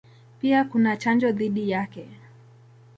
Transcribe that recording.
Pia kuna chanjo dhidi yake.